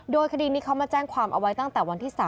โดยคดีนี้เขามาแจ้งความเอาไว้ตั้งแต่วันที่๓